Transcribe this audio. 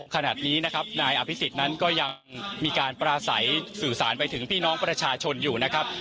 ขณะนี้นะครับนายอภิษฎนั้นก็ยังมีการปราศัยสื่อสารไปถึงพี่น้องประชาชนอยู่นะครับ